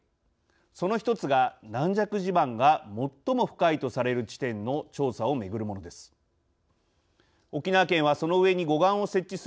その１つが軟弱地盤が最も深いとされる地点の調査をめぐるものです。